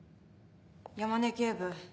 山根警部